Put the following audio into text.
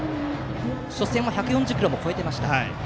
初戦は１４０キロを超えていました。